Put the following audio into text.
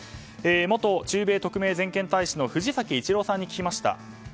元駐米特命全権大使の藤崎一郎さんに聞きました。